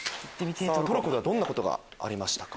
トルコではどんなことがありましたか？